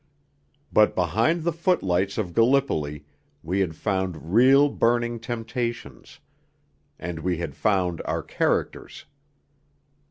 But behind the footlights of Gallipoli we had found real burning temptations; and we had found our characters.